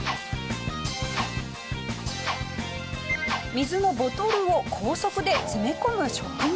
水のボトルを高速で詰め込む職人。